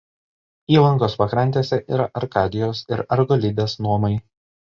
Įlankos pakrantėse yra Arkadijos ir Argolidės nomai.